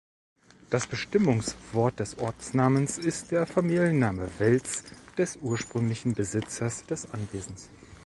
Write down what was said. Das Bestimmungswort des Ortsnamens ist der Familienname Welz des ursprünglichen Besitzers des Anwesens.